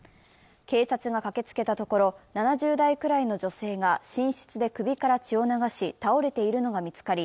警察が駆けつけたところ、７０代くらいの女性が寝室で首から血を流し倒れているのが見つかり